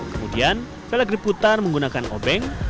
kemudian velg diputar menggunakan obeng